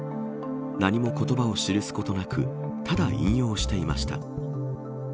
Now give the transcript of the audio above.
何も言葉を記すことなくただ引用していました。